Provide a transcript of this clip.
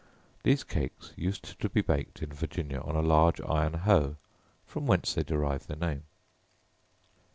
These cakes used to be baked in Virginia on a large iron hoe, from whence they derive their name.